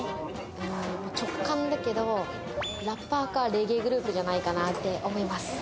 直感だけど、ラッパーかレゲエグループじゃないかなって思います。